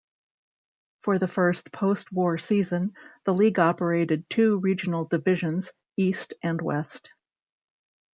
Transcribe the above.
For the first post-War season, the league operated two regional divisions, East and West.